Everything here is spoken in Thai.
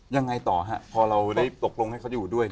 ยังไงต่อฮะพอเราได้ตกลงให้เขาอยู่ด้วย